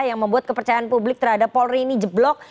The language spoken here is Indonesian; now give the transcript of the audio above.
yang membuat kepercayaan publik terhadap polri ini jeblok